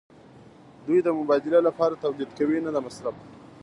دوی د مبادلې لپاره تولید کوي نه د مصرف.